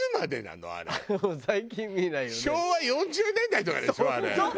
昭和４０年代とかでしょ？